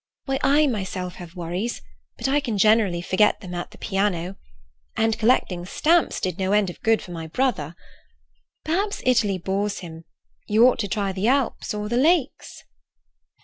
Why, I myself have worries, but I can generally forget them at the piano; and collecting stamps did no end of good for my brother. Perhaps Italy bores him; you ought to try the Alps or the Lakes."